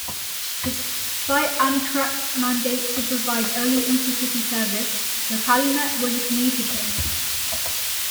Despite Amtrak's mandate to provide only intercity service, the "Calumet" was a commuter train.